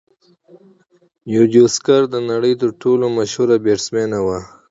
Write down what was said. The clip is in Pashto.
یوديوسکر د نړۍ تر ټولو مشهوره بیټسمېنه وه.